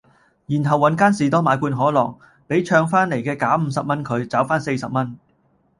然後搵間士多買罐可樂，比唱翻黎既假五十蚊佢，找番四十蚊